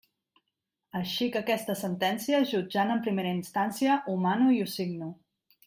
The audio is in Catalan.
Així per aquesta sentència, jutjant en primera instància, ho mano i ho signo.